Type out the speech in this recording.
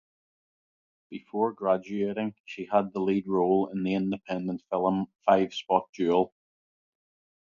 Before graduating, she had the lead role in the independent film "Five Spot Jewel".